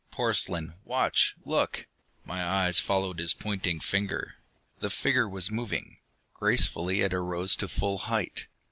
"Porcelain? Watch ... look!" My eyes followed his pointing finger. The figure was moving. Gracefully it arose to its full height.